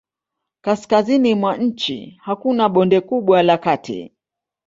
Kaskazini mwa nchi hakuna bonde kubwa la kati.